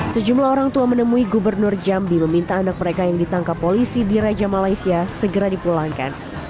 sejumlah orang tua menemui gubernur jambi meminta anak mereka yang ditangkap polisi di raja malaysia segera dipulangkan